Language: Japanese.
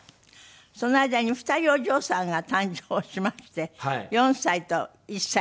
その間に２人お嬢さんが誕生しまして４歳と１歳になったっていう。